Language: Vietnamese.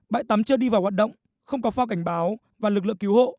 bãi tắm chưa đi vào hoạt động không có phao cảnh báo và lực lượng cứu hộ